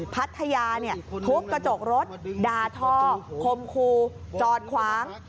พัทยาทุบกระจกรถด่าทอคมคูจอดขวาง